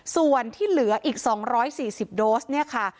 ส่วนที่เหลืออีก๒๔๐โดสเนี่ยค่ะ